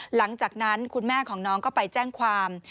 หลังจากนั้นคุณแม่ของน้องก็ไปแจ้งความ